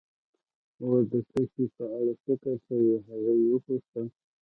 اوس د څه شي په اړه فکر کوې؟ هغې وپوښتل.